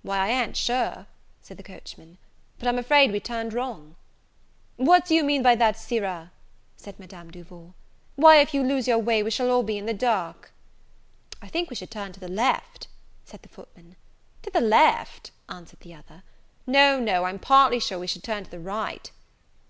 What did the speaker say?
"Why, I a'n't sure," said the coachman, "But I'm afraid we turned wrong." "What do you mean by that, sirrah?" said Madame Duval; "why, if you lose your way, we shall all be in the dark." "I think we should turn to the left," said the footman. "To the left!" answered the other; "No, no, I'm partly sure we should turn to the right."